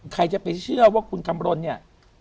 ใครจะไปเชื่อว่าคุณคำรณเนี่ย